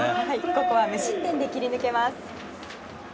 ここは無失点で切り抜けます。